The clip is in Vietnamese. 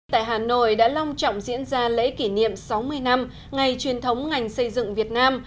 tại hà nội đã long trọng diễn ra lễ kỷ niệm sáu mươi năm ngày truyền thống ngành xây dựng việt nam